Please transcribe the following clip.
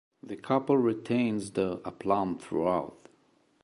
The couple retains their aplomb throughout.